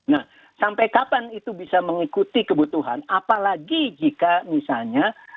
nah sampai kapan itu bisa mengikuti kebutuhan apalagi jika misalnya